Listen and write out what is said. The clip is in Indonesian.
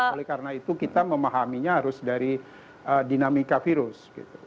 oleh karena itu kita memahaminya harus dari dinamika virus